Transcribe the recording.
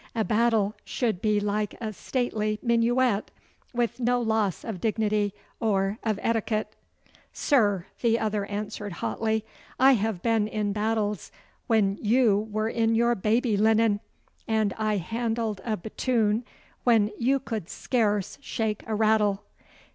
'A battle should be like a stately minuet, with no loss of dignity or of etiquette.' 'Sir,' the other answered hotly, 'I have been in battles when you were in your baby linen, and I handled a battoon when you could scarce shake a rattle.